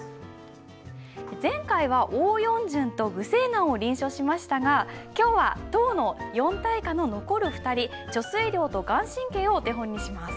前回は欧陽詢と虞世南を臨書しましたが今日は唐の四大家の残る２人遂良と顔真をお手本にします。